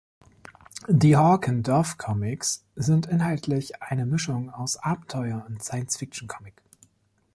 Die Hawk and Dove Comics sind inhaltlich eine Mischung aus Abenteuer- und Science-Fiction-Comic.